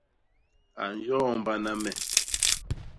A nyoombana me.